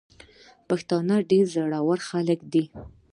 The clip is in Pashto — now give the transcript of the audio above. پښتانه ډير زړه ور خلګ دي.